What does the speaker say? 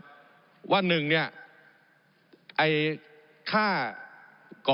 ผมอภิปรายเรื่องการขยายสมภาษณ์รถไฟฟ้าสายสีเขียวนะครับ